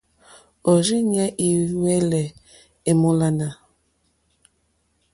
Òrzìɲɛ́ î hwɛ́lɛ́ èmólánà.